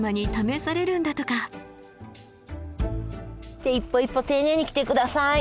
じゃあ一歩一歩丁寧に来て下さい。